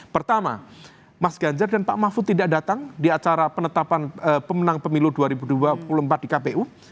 pertama mas ganjar dan pak mahfud tidak datang di acara penetapan pemenang pemilu dua ribu dua puluh empat di kpu